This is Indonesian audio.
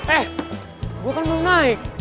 eh gue kan mau naik